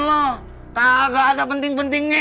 kagak ada penting pentingnya